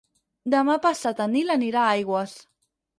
Demà passat en Nil anirà a Aigües.